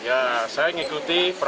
petugas menangkap rakyat di rumah